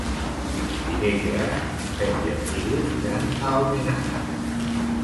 Dimecres en Pep i en Milos iran a Almenara.